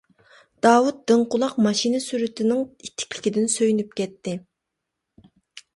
داۋۇت دىڭ قۇلاق ماشىنا سۈرئىتىنىڭ ئىتتىكلىكىدىن سۆيۈنۈپ كەتتى.